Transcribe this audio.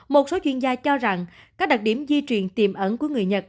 một số chuyên gia cho rằng các đặc điểm di chuyển tiềm ẩn của người nhật